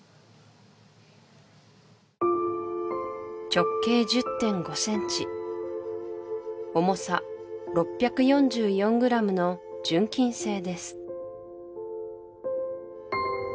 直径１０．５ｃｍ重さ６４４ｇの純金製です